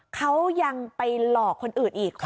เขายังไปหลอกคนอื่นอีก